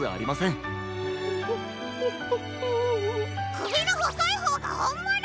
くびのほそいほうがほんもの！？